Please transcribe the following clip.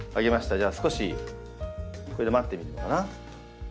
じゃあ少しこれで待ってみるのかな。